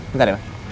bentar ya ma